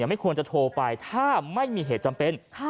ไม่ควรจะโทรไปถ้าไม่มีเหตุจำเป็น